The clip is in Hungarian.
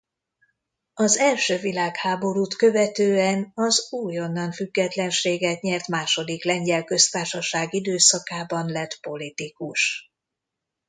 Az első világháborút követően az újonnan függetlenséget nyert második Lengyel Köztársaság időszakában lett politikus.